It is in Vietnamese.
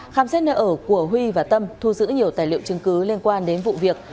khám xét nơi ở của huy và tâm thu giữ nhiều tài liệu chứng cứ liên quan đến vụ việc